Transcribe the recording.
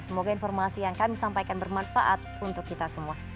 semoga informasi yang kami sampaikan bermanfaat untuk kita semua